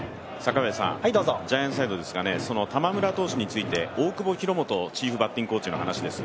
ジャイアンツサイドですが玉村投手について大久保博元チーフバッティングコーチの話です。